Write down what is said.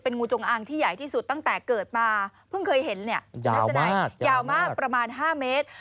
งูจงอางที่ใหญ่ที่สุดตั้งแต่เกิดมาเพิ่งเคยเห็นทัศนัยยาวมากประมาณ๕เมตร